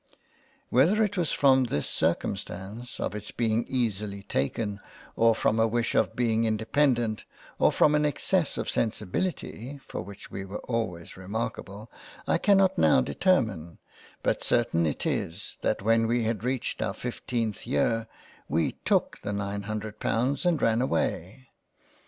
Whether it was from this circumstance, of its being easily taken, or from a wish of being independant, or from an excess of sensibility (for which we were always remarkable) I cannot now determine, but certain it is that when we had reached our 1 5th year, we took the nine Hundred Pounds and ran away.